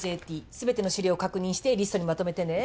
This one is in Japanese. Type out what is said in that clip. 全ての資料を確認してリストにまとめてね。